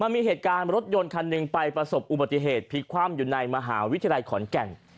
มีเหตุการณ์รถยนต์คันหนึ่งไปประสบอุบัติเหตุพลิกคว่ำอยู่ในมหาวิทยาลัยขอนแก่น